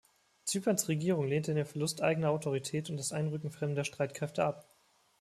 Zyperns Regierung lehnte den Verlust eigener Autorität und das Einrücken fremder Streitkräfte ab.